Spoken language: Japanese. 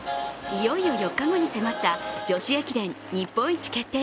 いよいよ４日後に迫った女子駅伝日本一決定